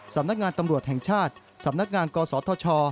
สำนักงานตำรวจแห่งชาติสำนักงานกศธช